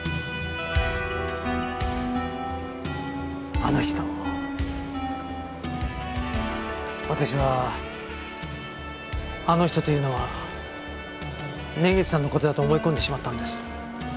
あの人私はあの人というのは根岸さんの事だと思い込んでしまったんです。